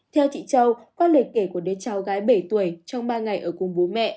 theo chị châu qua lời kể của đứa cháu gái bảy tuổi trong ba ngày ở cùng bố mẹ